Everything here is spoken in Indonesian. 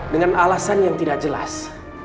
dengan alasan yang tidak jelas